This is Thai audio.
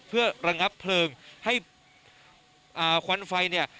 เพื่อระงับเพลิงให้อ่าควันไฟเนี่ย